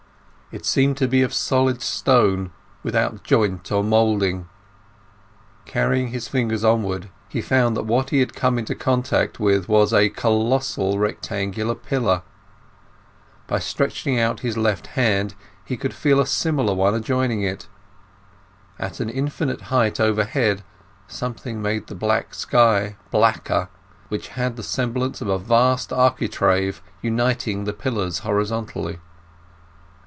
It seemed to be of solid stone, without joint or moulding. Carrying his fingers onward he found that what he had come in contact with was a colossal rectangular pillar; by stretching out his left hand he could feel a similar one adjoining. At an indefinite height overhead something made the black sky blacker, which had the semblance of a vast architrave uniting the pillars horizontally.